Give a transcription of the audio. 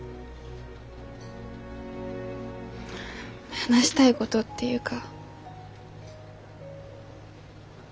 話したいごどっていうか。